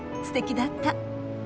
すてきだった。